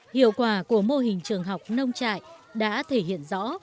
hiệu quả của mô hình trường học nông trại đã thể hiện rõ